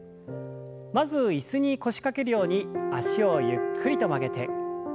まず椅子に腰掛けるように脚をゆっくりと曲げて。